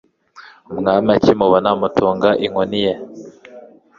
Umwami akimubona amutunga inkoni ye